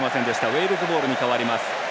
ウェールズボールに変わります。